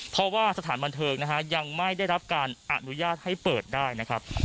เพราะว่าสถานบันเทิงนะฮะยังไม่ได้รับการอนุญาตให้เปิดได้นะครับ